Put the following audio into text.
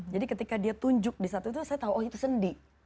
jadi ketika dia tunjuk di satu itu saya tahu oh itu sendi